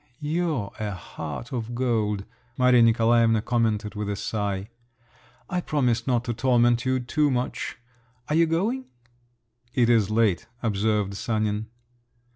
you're a heart of gold!" Maria Nikolaevna commented with a sigh. "I promise not to torment you too much. Are you going?" "It is late," observed Sanin.